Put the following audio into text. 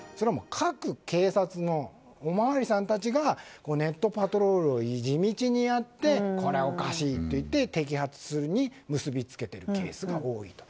各警察のお巡りさんたちがネットパトロールを地道にやってこれはおかしいといって摘発に結び付けているケースが多いと。